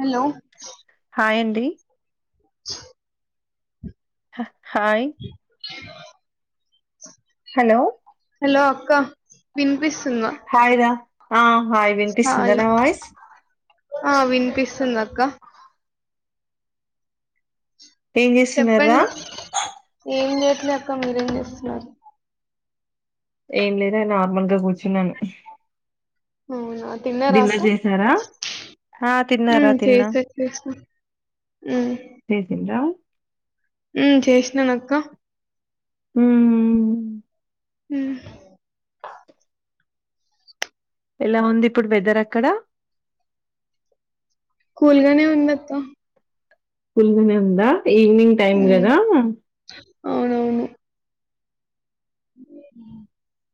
Hello hi అండి హ hi hello hello అక్క వినిపిస్తుంద హాయ్ రా ఆ హాయ్ వినిపిస్తుందా హాయి నా వాయిస్ ఆ వినిపిస్తుందక్క ఏం చేస్తున్నారా చెప్పండి ఏం చేయట్లే అక్క మీరేం చేస్తున్నారు ఏం లేదే నార్మల్గా కూర్చున్నాను అవున డిన్నర్ చేసారా ఆ తిన్నారా ఉమ్ తిన్నా చేసా చేసిన చేసింద ఉ చేసిన అక్క ఉమ్ ఉహ్ ఎలా ఉంది ఇప్పుడు వెదర్ అక్కడ కూల్గానే ఉంది అక్క పుల్గానే ఉందా ఈవినింగ్ టైమ్ ఉమ్ కదా అవునవును [inaudible]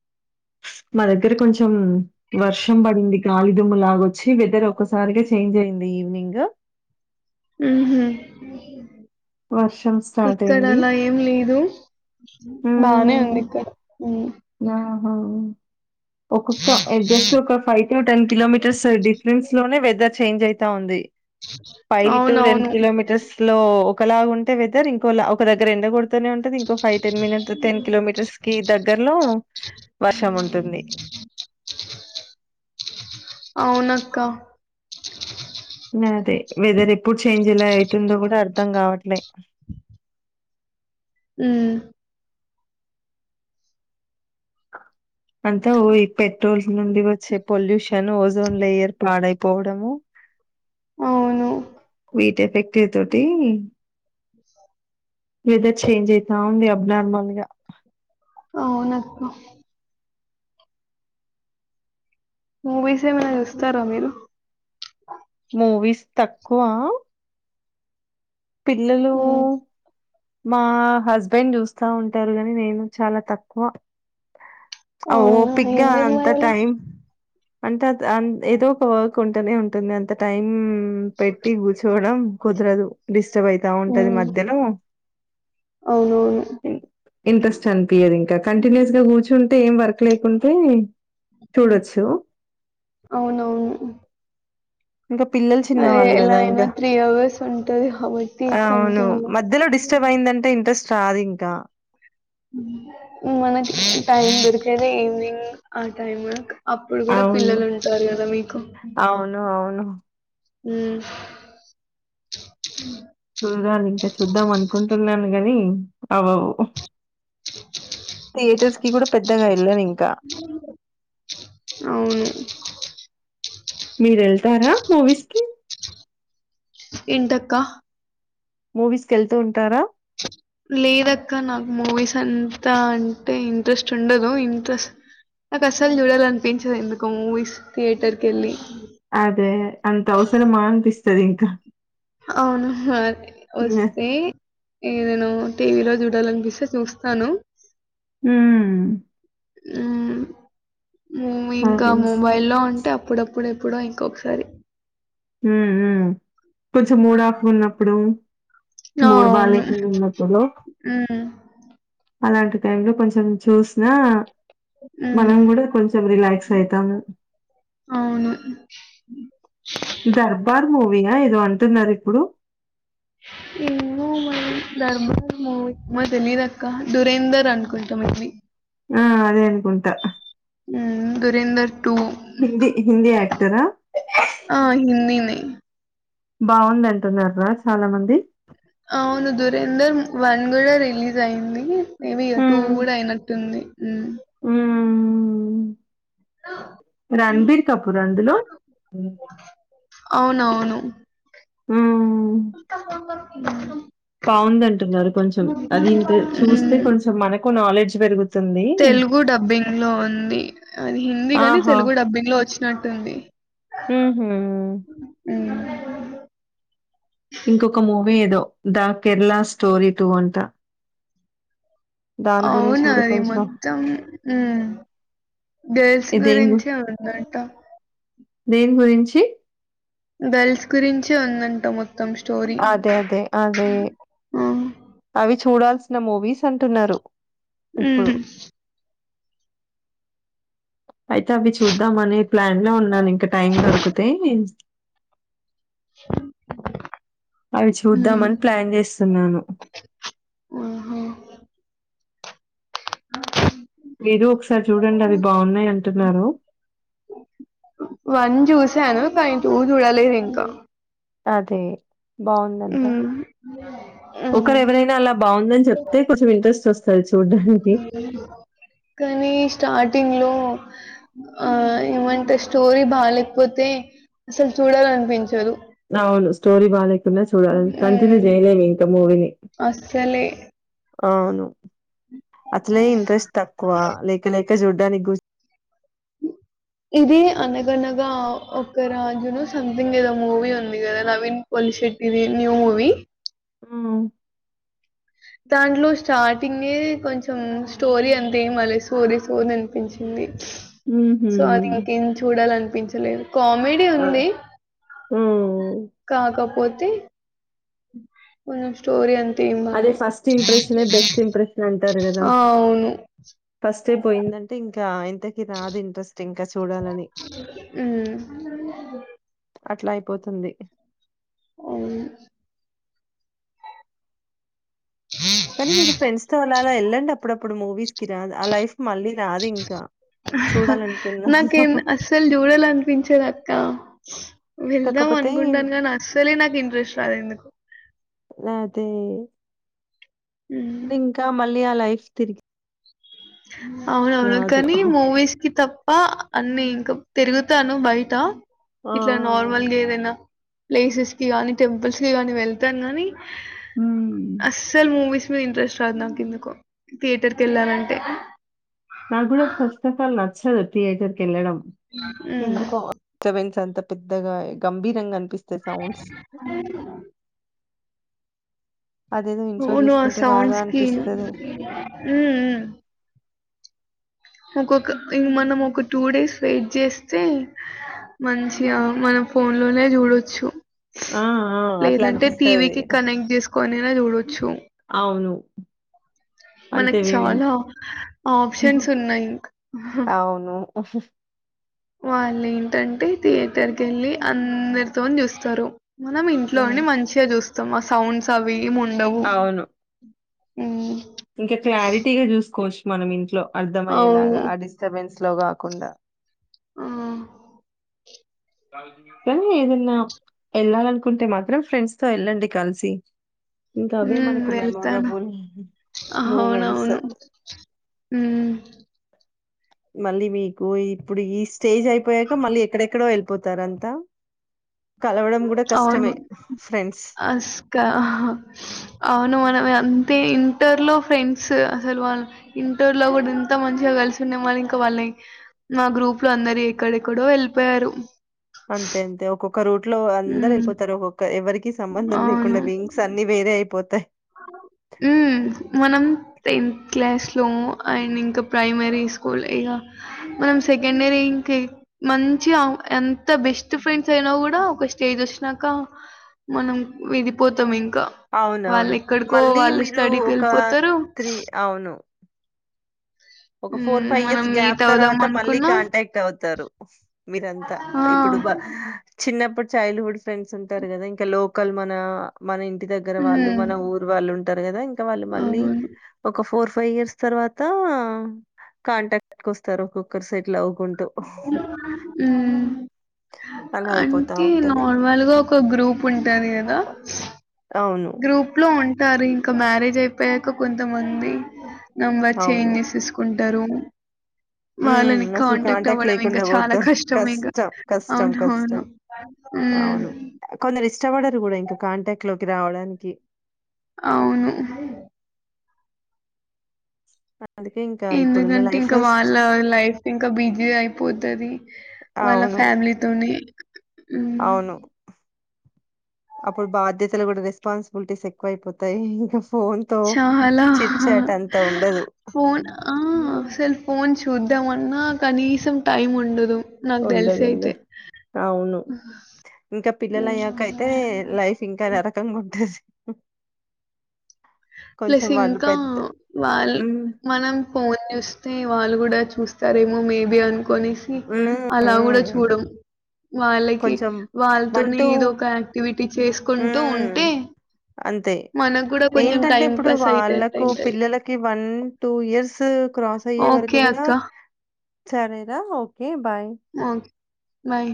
మా దగ్గర కొంచెం వర్షం బడింది గాలి దుమ్ము లాగొచ్చి వెదర్ ఒకక్కసారిగా చేంజ్ అయింది ఈవినింగ్ ఉహు వర్షం స్టార్ట్ ఇక్కడ అయింది అలా ఏం లేదు బానే మ్మ్ ఉంది ఇక్కడా ఒక్కొక్క జస్ట్ ఒక five to ten kilometre just difference లోనే వెదర్ చేంజ్ అయితా ఉంది ఫైవ్ టు రెండు అవునవును కిలోమీటర్స్ ఇట్ లో ఒకలాగా ఉంటే వెదర్ ఇంకో ఒక దగ్గర ఎండ కొ ఉంటందిదింకో ఫై టెన్ కీలో మిట్న్ కిలో మీటర్స్కి దగ్గర అ వునక్క అదే వెదర్ ఎప్పుడు చేంజ్లా అవుతుందో కూడా అర్థం కావట్లే ఊ అంతా ఈ పెట్రోల్ నుండి వచ్చే పొల్యూషన్ ఓజోన్ లేయర్ పాడై పోవడము అవును వీటి ఎఫెక్టివ్ తోటి [inaudible] వెదర్ చేంజ్ అయితా ఉంది అబ్ నార్మల్ గా అవునక్కా మూవీస్ ఏమైనా చూస్తారా మీరు మూవీస్ తక్కువ పిల్లలు హ్మ్. మా హస్బెండ్ చూస్తా ఉంటారు గాని నేను చాలా తక్కువ ఓ అవునా! పిగ్గా ఎందుకు అంత మరలా? టైమ్ అంటే అ ఏదో ఒక వర్క్ ఉంటేనే ఉంటుంది అంత టైం పెట్టి కూర్చోవడం కుదరదు డిస్టర్బ్ అయితా ఉంటది హ్మ్. మధ్యాహ్నం అవునవును ఇంట్రెస్ట్ అనిపించదు ఇంకా కంటిన్యూస్ గా కూర్చుంటే ఏం వర్క్ లేకుంటే చూడొచ్చు అవునవును ఇంకా పిల్లలు అదే చిన్నవాళ్ళు ఎలా కదా అయినా ఇంకా అవర్స్ ఉంటది కాబట్టి అ అవును కంటిన్యూ. మధ్యలో డిస్ ఇష్ట అయిందంటే ఇంట్రెస్ట్ రాదు ఇంకా మనకి టైం దొరికేదే ఈవినింగ్ ఆ టైమ్ అప్పుడు కూడా అవును పిల్లలు ఉంటారు కదా మీకు అవును అవును ఉమ్ చూదాను ఇంకా చూద్దాం అనుకుంటున్నాను గాని అవవు థియేటర్స్ కి కూడా పెద్దగా వెళ్ళను ఇంకా అవును. మీరెళ్తారా మూవీస్ కి ఎంటక్క మూవీస్కి వెళ్తూ ఉంటారా లేదక్క నాకు మూవీస్ అన్ త అంటే ఇంట్రెస్ట్ ఉండదు ఇంట్రెస్ట్ నాకు అస్సలు చూడాల అనిపించదు ఎందుకు మూవీస్ థియేటర్ కెళ్ళి అదే అంత అవసరమా అనిపిస్తది ఇంకా అవును ఆ వస్తే ఏ నేను టీవీ లో చూడాలనిపిస్తే చూస్తాను ఊ హు మూవీ ఇంకా అదే మొబైల్లో ఉంటే అప్ అప్పుడప్పుడెప్పుడు ఇంకొకసారి హ హ కొంచెం మూడ్ ఆఫ్ ఉన్నప్పుడు ఆ! మూడ్ అవును. బాలేకున్నపుడు హ్మ్. అలాంటి టైమ్ లో కొంచెం చూసిన మనం హ్మ్. కూడ కొంచెం రిలాక్స్ అయితం [inaudible] దర్బార్ మూవీ న ఏదో అంటున్నారు ఇప్పుడు ఏమె మ రి ధర్బార్ మూవీ తెలియదక్క దురేందర్మూవీ అనుకుంటాం ఇవి ఆ అదే అనుకుంట ఉ దురేందర్ టూ హిందీ హిందీ యాక్టరా ఆ హిందినె బాగుంది అంటున్నార్ రా చాల మంది అవును దురేందర్ వన్ కూడ రిలీజ్ అయింది మేబియ టూ కూడా అయినట్టుంది ఊ... రన్బీర్ కపూర్ అందులో ర ఆ [unintelligible] [unintelligible] బాగుంది అంటున్నారు కొంచెం మ్మ్ అది ఇంక చూస్తే కొంచెం మనకు నాలెడ్జ్ పెరుగుతుంది తెలుగు డబ్బింగ్లో ఉంది అది హిందీ గాని ఆహా తెలుగు డబ్బింగ్ లో వచ్చినట్టుంది ఊహు ఉ ఇంకొక మూవీ ఏదో ద కేెరళ స్టోరీ టూ అంట దాని గురించి అవునా కూడా అది కొంచెం మొత్తం హు గేర్ల్స్ గురించే ఉందట దేన్ గురించి గర్ల్స్ గురించి ఉందంటా మొత్తం స్టోరీ అదె అదే అదే ఆ అవి చూడాల్సిన మూవీస్ అంటున్నారు ఇప్పుడు ఉహు అయితే అవి చూద్దామని ప్లాన్ లో ఉన్నాను ఇంకా టైం దొరికితే అవి మ్మ్ చూద్దామని ప్లాన్ చేస్ స్తున్నాను ఆహా మీరు ఒకసారి చూడండి అది బాగున్నాయి అంటున్నారు వన్ చూసాను కానీ టూ చూడలేదు ఇంకా అదే బాగుందంట మ్మ్ ఒక మ్మ్ రెవరైనా అలా బాగుందని చెప్తే కొంచెం ఇంట్రెస్ట్ వస్తు నీ స్టార్టింగ్లో ఆ ఏమంటే స్టోరీ బాలేకపోతే అసలు చూడాలనిపించదు అవును స్టోరి బాలేక్ న్నా చూడాలి కంటిన్యూ మ్మ్ చేయలేము ఇంకా మూవీని అస్సలే అవును అట్లే ఇంట్రెస్ట్ తక్కువ లేక్కి లేక్కి చూడ్డానికి కు అ [inaudible] ఇది అనగనగా ఒక రాజును సంథింగ్ ఏదో మూవీ ఉంది కదా నవీన్ పల్లి శెట్టిది న్యూ మూవి హమ్ దాంట్లో స్టార్టింగే కొంచెం స్టోరీ అంతేంగాల స్టోరీ సోది అనిపించింది హుహు సో అది ఇంకేం చూడాలనిపించలేదు కామెడీ ఆ ఉంది హ్మ్ కాకపోతే కొంచ స్టోరీ అంత ఏం అదే బాలే ఫస్ట్ ఇంప్రెషనె బెస్ట్ ఇంప్రెషన్ అంటారు కదా ఆ అవును ఫస్ట్ స్టే పోయిందంటే ఇంకా టెకు రాదు ఇంట్రెస్ట్ ఇంక చూడాలని మ్మ్ అట్లా పోతుంది ఉ కానీ మీరు ఫెండ్స్ తో అలాలా వెళ్ళండి అప్పుడప్పుడు మూవీస్ కి రా ఆ లైఫ్ మళ్ళీ రాదు ఇంకా నాకేం అస్సలు చూడాల అనిపించదక్క వెళ్దాం కాకపోతే అనుకుంటాను కానీ అస్సలే నాకు ఇంట్రెస్ట్ రాదు ఎందుకు వాదే ఉమ్ ఇంకా మళ్ళీ ఆ లైఫ్ తిరిగి అవునవును రాదు. కానీ మూవీస్ కి తప్ ప్ప అన్ని ఇంకా తిరుగుతాను బయట ఆ! ఇట్లా నార్మల్గా ఏదైనా ప్లేసెస్ కి గాని టెంపుల్స్ కి గాని వెళ్తాను గానీ హ్మ్. అస్సల్ మూవీస్ ఇంట్రెస్ట్ రాదు నాకు ఎందుకో థియేటర్ కి వెళ్ళాలంటే నా కూడా ఫస్ట్ ఆఫ్ ఆల్ నచ్చదు థియేటర్ కి కెల్లడం ఉమ్ ఎందుకో అంత పెద్దగా గంభీరంగా అనిపిస్తాయి సౌండ్స్. అ అదేదో ఇంట్లో అవును ఆ చూసుకుంటే కాదా సౌండ్స్కి అనిపిస్తది. ఉమ్ ఉమ్ ఒక్కొక ఇ మనం ఒక టూ డేస్ వెయిట్ చేస్తే మంచిగా మనం ఫోన్ లోనే చూడొచ్చు ఆ! ఆ! అట్లా లేదంటే అనిపిస్తది. టీవీకిి కనెక్ట్ చేసుకోనైనా చూడొచ్చు అవును. అంతే మనకు మేబీ. చాలా ఆప్షన్స్ ఉన్నాయి ఆహా ఆహా వాళ్ళు ఏంటంటే థియేటర్ కి వెళ్ళి అందరితోన్ చూస్తారు మనం హ్మ్. ఇంట్లోని మంచిగా చూస్తాం సౌండ్స్ అవి ఏం ఉండవు అవును. ఉం ఇంకా క్లారిటీగా చూసుకోవచ్చు మనం ఇంట్లో అవును అర్ధమయ్యేలాగా ఆ డిస్టర్బెన్స్ లో కాకుండా ఆ కానీ ఏదన్నా ఎళ్ళాలనుకుంటే మాత్రం ఫ్రెండ్స్ తో వెళ్ళండి కలిసి ఇంకా అవే ఉమ్ మనకు వెళ్తాను మెమొరబుల్ మూమెంట్స్. అవునవును ఉమ్ మళ్ళీ మీకు ఇప్పుడు ఈ స్టేజ్ అయిపోయాక మళ్ళీ ఎక్కడెక్కడో ఎల్ పోతారంతా అవును అస్క అవును మనమ అంతే ఇంటర్ లో ఫ్రెండ్స్ అసలు వాళ్లు ఇంటర్ లో కూడా ఇంత మంచిగా కలిసి ఉండే వాళ్ళు ఇంకా వాళ్ని మా గ్రూప్ లో అందరు ఎక్కడెక్కడో ఎళ్ళిపోయారు అంతే అంతే ఒక్కొక్క రూట్ లో అందరు హ్మ్. ఎళ్ళిపోతారు ఒక్కొక్క ఎవరికి సంబంధం అవును. లేకుండా వింగ్స్ అన్ని వేరే అయిపోతా ఊ మనం టెన్త్ క్లాస్ లో అండ్ ఇంకా ప్రైమరీ స్కూల్ ఏ గా మనం సెకండ్ ఇయరే ఇంకే మంచి ఎంత బెస్ట్ ఫ్రెండ్స్ అయినా కూడా ఒక స్టేజ్ వచ్చినాక మనం విడిపోతాం ఇం అవునవును మళ్ళీ మీరు ఒక స్టడీకెళ్ళిపోతారు. త్రీ అవును ఒక ఫోర్ హ్మ్ ఫైవ్ మనం ఇయర్స్ గ్యాప్ మీట్ అవుదాం తర్వాత మళ్ళీ అనుకున్నాం కాంటాక్ట్ అవుతారు మీరంతా ఆ ఇప్పుడు చిన్నప్పుడు చైల్డ్ హుడ్ ఫ్రెండ్స్ ఉంటారు కద ఇంక లోకల్ మన మని ఇంటి దగ్గర వాళ్ళు హ్మ్ మన ఊరు వాళ్ళు ఉంటారు కదా ఇంకా వాళ్ళు మళ్ళీ అవును ఒక ఫోర్ ఫైవ్ ఇయర్స్ తర్వాత కాంటాక్ట్ కి వస్తారు ఒక్కొక్కరు సెటిల్ అవు హ్మ్మ్ అలా అయిపోతా అంటే ఉంటది. నార్మల్గా ఒక గ్రూప్ ఉంటంది కదా అవును. గ్రూప్ లో ఉంటారు ఇంకా మ్యారేజ్ అయిపోయాక కొంతమంది నంబర్ అవును. చేంజ్ చేసేసుకుంటారు హ్మ్. వాళ్ళని అసలు కాంటాక్ట్ అవ్వడం ఇంకా లేకుండా చాలా పోతారు. కష్టం ఇంకా కష్టం. అవును కష్టం. అవును అవును కొందరు ఇష్టపడరు కూడా ఇంకా కాంటాక్ట్ లోకి రావడానికి.. అవును.. అందుకే ఇంకా ఇప్పుడున్న ఎందుకంటే లైఫ్ ఇంకా ఫస్ట్ వాళ్ళ లైఫ్ ఇంకా బిజీ అయిపోతది వాళ్ళ అవును. ఫ్యా మిలీ తోని అవును అప్పుడు బాధ్యతలు కూడా రెస్పాన్సిబిలిటీస్ ఎక్కువ అయిపోతాయి ఇంకా ఫోనుతో చాలా చిట్ ఆ చాట్ అంత ఉండదు. ఫోన్ ఆ సలు ఫోన్ చూద్దామన్నా కనీసం టైం ఉండదు నాకు తెలిసి ఉండదు. అయితే ఉండదు. అవును. ఇంకా పిల్లల హ్మ్. అయ్యాక అయితే లైఫ్ ఇంకా నరకంగా ఉంటది ప్లస్ కొంచెం వాళ్ళు ఇంకా పెద్ద వాళ్ళు హ్మ్. మనం ఫోన్ చూస్తే వాళ్ళు కూడా చు చూస్తారేమో మేబి అనుకునేసి హ్మ్. అలా కూడా హ్మ్. చూడం వాళ్ళకి కొంచెం వాళ్ళతోనే టూ ఏదో ఒక యాక్టివిటీ చేసుకుంటూ హ్మ్. ఉంటే. అంతే. మన కూడా ఏంటంటే ఇప్పుడు వాళ్ళకు పిల్లలకి వన్ టూ ఇయర్స్ క్రాస్ అయ్యే వరకు ఓకే కూడా అక్క. సరేరా ఓకే బాయ్ ఓకే. బాయ్